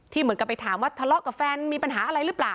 เหมือนกับไปถามว่าทะเลาะกับแฟนมีปัญหาอะไรหรือเปล่า